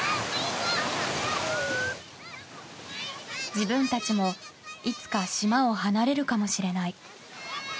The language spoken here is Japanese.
自分たちもいつか島を離れるかもしれない。